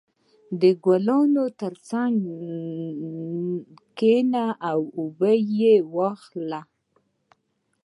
• د ګلانو تر څنګ کښېنه او بوی یې واخله.